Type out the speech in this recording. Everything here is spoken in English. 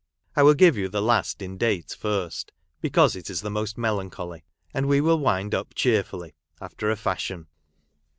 1 will give you the last in date first, because it is the most melancholy ; and we will wind up cheerfully (after a fashion).